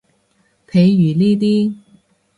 譬如呢啲